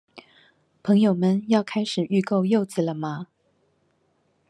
朋友們要開始預購柚子了嗎？